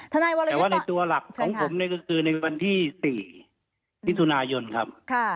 แต่ว่าในตัวหลักของผมเนี่ยก็คือในวันที่๔มิถุนายนครับ